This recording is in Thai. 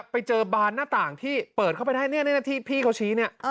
ไปเจอบานหน้าต่างที่เปิดเข้าไปได้นี่ที่พี่เขาชี้เนี่ย